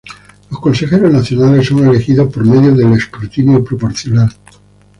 Los consejeros nacionales son elegidos por medio del escrutinio proporcional.